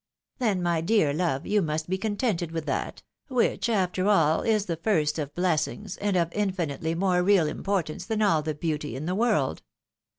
" Then, my dear love, you must be contented with that — which after all is the first of blessings, and of infinitely more real importance, than all the beauty in the world.